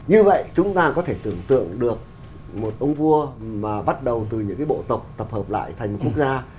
như vậy chúng ta có thể tưởng tượng được một ông vua mà bắt đầu từ những cái bộ tộc tập hợp lại thành một quốc gia